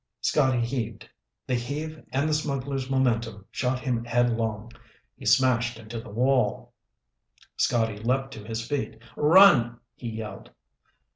Scotty heaved. The heave and the smuggler's momentum shot him headlong. He smashed into the wall. Scotty leaped to his feet. "Run!" he yelled.